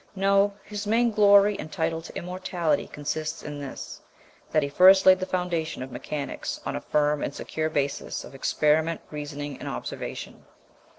No; his main glory and title to immortality consists in this, that he first laid the foundation of mechanics on a firm and secure basis of experiment, reasoning, and observation.